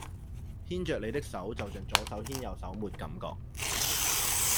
牽著你的手就象左手牽右手沒感覺